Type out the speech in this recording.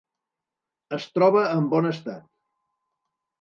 Es troba en bon estat.